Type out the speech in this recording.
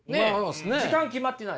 時間決まってないだけで。